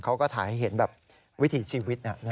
เขาก็ถ่ายให้เห็นแบบวิถีชีวิต